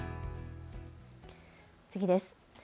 次です。